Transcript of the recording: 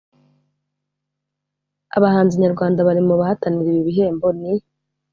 Abahanzi nyarwanda bari mu bahatanira ibi bihembo ni